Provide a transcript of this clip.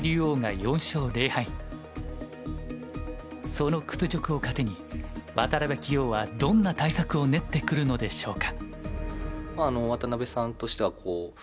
その屈辱を糧に渡辺棋王はどんな対策を練ってくるのでしょうか。